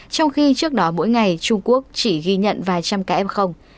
trong khi trước đó mỗi ngày trung quốc chỉ ghi nhận vài trăm cá em không